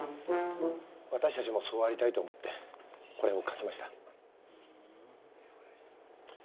私たちもそうありたいと思ってこれを書きました。